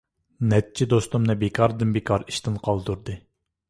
نەچچە دوستۇمنى بىكاردىن-بىكار ئىشتىن قالدۇردى.